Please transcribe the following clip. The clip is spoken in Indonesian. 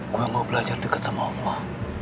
gue mau belajar dekat sama allah